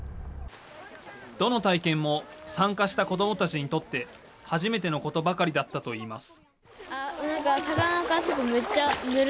どの体験も、参加した子どもたちにとって、初めてのことばかりだったといいます。